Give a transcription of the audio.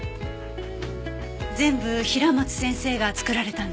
全部平松先生が作られたんですか？